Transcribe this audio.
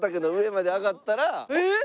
えっ！